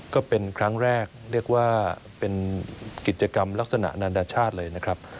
ก็เป็นครั้งแรกเรียกว่าเป็นกิจกรรมลักษณะนานาชาติเลยนะครับ